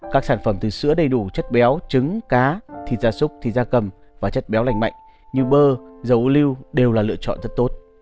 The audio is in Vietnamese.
các sản phẩm từ sữa đầy đủ chất béo trứng cá thịt da súc thịt da cầm và chất béo lành mạnh như bơ dầu lưu đều là lựa chọn rất tốt